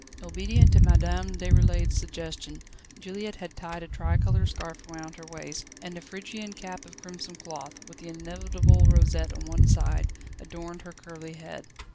Obedient to Madame Déroulède's suggestion, Juliette had tied a tricolour scarf round her waist, and a Phrygian cap of crimson cloth, with the inevitable rosette on one side, adorned her curly head.